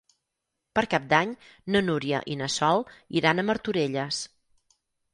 Per Cap d'Any na Núria i na Sol iran a Martorelles.